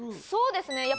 そうですね。